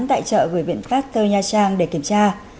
tại chợ gửi viện pasteur nha trang để kiểm tra